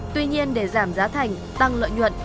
tuy nhiên để giảm giá thành tăng lợi nhuận